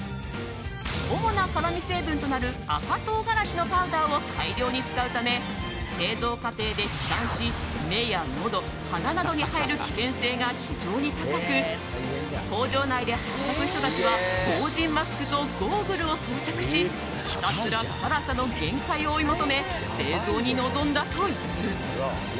主な辛味成分となる赤唐辛子のパウダーを大量に使うため製造過程で飛散し目やのど、鼻などに入る危険性が非常に高く工場内で働く人たちは防じんマスクとゴーグルを装着しひたすら辛さの限界を追い求め製造に臨んだという。